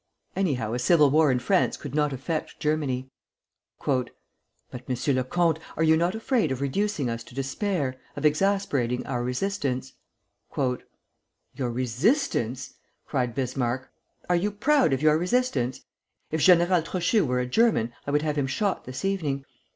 "Anyhow, a civil war in France could not affect Germany." "But, M. le Comte, are you not afraid of reducing us to despair, of exasperating our resistance?" "Your resistance!" cried Bismarck. "Are you proud of your resistance? If General Trochu were a German, I would have him shot this evening.